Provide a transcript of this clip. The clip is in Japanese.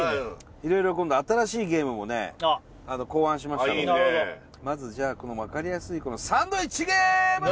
色々今度新しいゲームもねあっ考案しましたのでなるほどまずじゃあこの分かりやすいこのサンドウィッチゲーム！